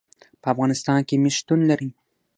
په افغانستان کې مس شتون لري.